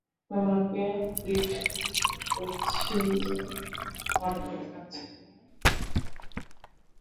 তোমাকে গিফট দিতে বলছি যে, উদ্ভুত লাগছে তাই না?